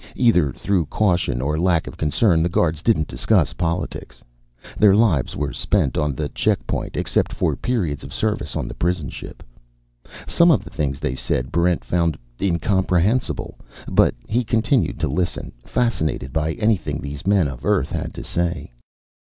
Either through caution or lack of concern, the guards didn't discuss politics. Their lives were spent on the checkpoint, except for periods of service on the prison ship. Some of the things they said Barrent found incomprehensible. But he continued to listen, fascinated by anything these men of Earth had to say.